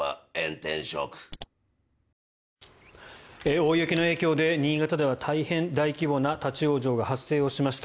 大雪の影響で新潟では大変大規模な立ち往生が発生しました。